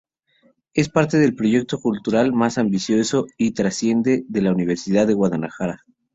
Es parte del proyecto cultural más ambicioso y trascendente de la Universidad de Guadalajara.